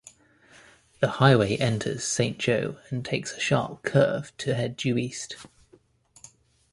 The highway enters Saint Joe and takes a sharp curve to head due east.